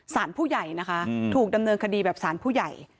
สารผู้ใหญ่นะคะถูกดำเนินคดีแบบสารผู้ใหญ่